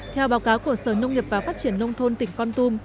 theo báo cáo của sở nông nghiệp và phát triển nông thôn tỉnh con tum